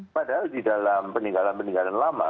padahal di dalam peninggalan peninggalan lama